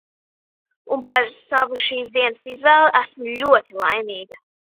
Un par savu šīs dienas izvēli esmu ļoti laimīga!